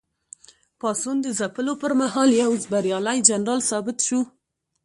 پاڅون د ځپلو پر مهال یو بریالی جنرال ثابت شو.